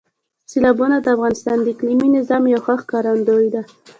سیلابونه د افغانستان د اقلیمي نظام یو ښه ښکارندوی ده.